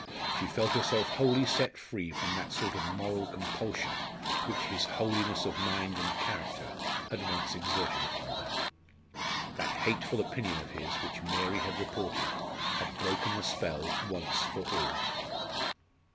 She felt herself wholly set free from that sort of moral compulsion which his holiness of mind and character had once exerted upon her. That hateful opinion of his, which Mary had reported, had broken the spell once for all.